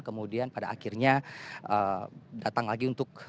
kemudian pada akhirnya datang lagi untuk